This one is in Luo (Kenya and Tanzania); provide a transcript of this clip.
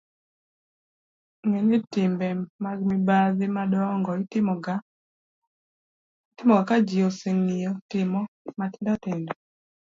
ng'e ni timbe mag mibadhi madongo' itimoga ka ji oseng'iyo timo matindotindo